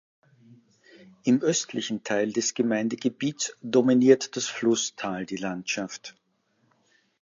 Im östlichen Teil des Gemeindegebiets dominiert das Flusstal die Landschaft.